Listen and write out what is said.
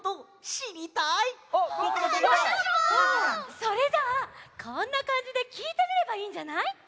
それじゃあこんなかんじできいてみればいいんじゃない？